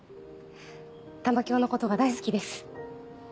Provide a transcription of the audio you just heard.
玉響のことが大好きです。